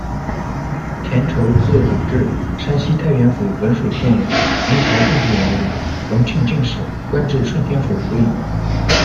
田畴，字汝治，山西太原府文水县人，明朝政治人物，隆庆进士，官至顺天府府尹。